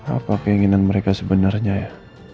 apa keinginan mereka sebenarnya ya